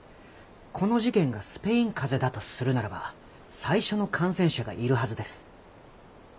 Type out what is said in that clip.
この事件がスペイン風邪だとするならば最初の感染者がいるはずです。